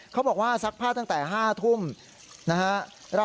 เขาบอกว่าซักพักตั้งแต่๕ทุ่มนะฮะ